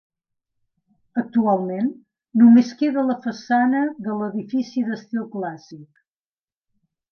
Actualment només queda la façana de l'edifici d'estil clàssic.